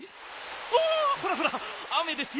あっほらほら雨ですよ